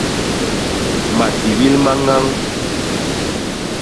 Matibil ma ñañ.